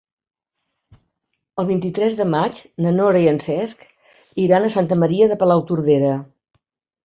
El vint-i-tres de maig na Nora i en Cesc iran a Santa Maria de Palautordera.